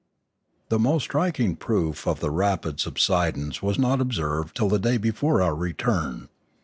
The most striking proof of the rapid subsidence was not observed till the day before our return.